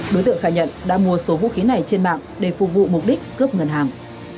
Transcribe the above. đối tượng khai nhận đã mua số vũ khí này trên mạng để phục vụ mục đích cướp ngân hàng